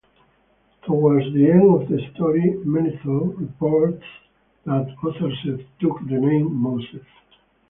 Towards the end of the story Manetho reports that Osarseph took the name "Moses".